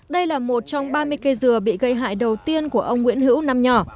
đây là một trong ba mươi cây dừa bị gây hại đầu tiên của ông nguyễn hữu năm nhỏ